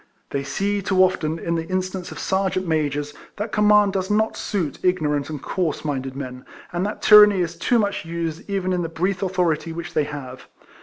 They see too often, in the instance of serjeant majors, that conniiaiul does not suit ignorant and coarse minded men ; and that tyranny is too much used even in the brief authority which tliey have.